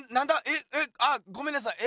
ええあごめんなさい！